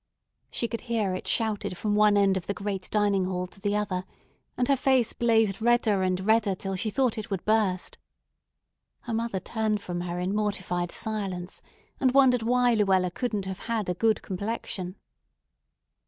She could hear it shouted from one end of the great dining hall to the other, and her face blazed redder and redder till she thought it would burst. Her mother turned from her in mortified silence, and wondered why Luella couldn't have had a good complexion.